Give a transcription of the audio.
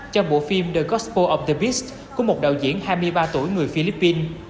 trong bộ phim the gospel of the beast của một đạo diễn hai mươi ba tuổi người philippines